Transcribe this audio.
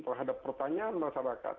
berhadap pertanyaan masyarakat